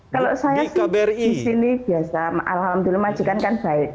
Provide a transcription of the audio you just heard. kalau saya sih di sini biasa alhamdulillah majikan kan baik